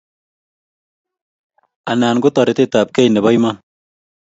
Anan ko toretetabkei nebo iman